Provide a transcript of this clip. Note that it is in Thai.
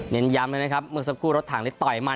เน้นยำเลยนะครับเมื่อสักครู่รถถังและต่อยมัน